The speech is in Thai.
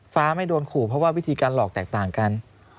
ไม่โดนขู่เพราะว่าวิธีการหลอกแตกต่างกัน